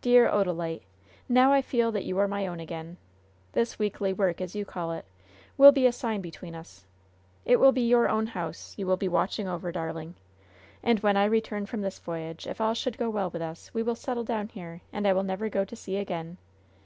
"Dear Odalite, now I feel that you are my own again. This weekly work, as you call it, will be a sign between us. It will be your own house you will be watching over, darling. And when I return from this voyage, if all should go well with us, we will settle down here, and I will never go to sea again.